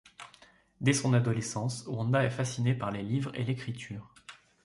Dès son adolescence, Wanda est fascinée par les livres et l'écriture.